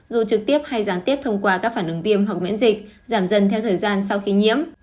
dù trực tiếp hay gián tiếp thông qua các phản ứng viêm hoặc miễn dịch giảm dần theo thời gian sau khi nhiễm